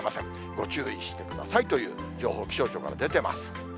ご注意してくださいという情報、気象庁から出てます。